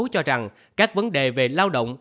cho rằng các vấn đề về lao động